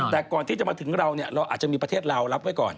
แต่ก่อนที่จะมาถึงเราเนี่ยเราอาจจะมีประเทศเรารับไว้ก่อน